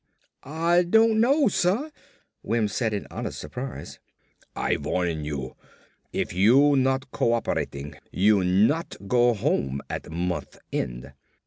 "Ah don't know, suh," Wims said in honest surprise. "I warn you. If you not co operating, you not go home at month end.